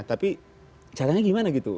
tapi caranya gimana gitu